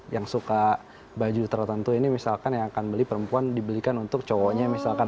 yang suka baju tertentu ini misalkan yang akan beli perempuan dibelikan untuk cowoknya misalkan